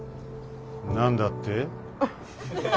何だって？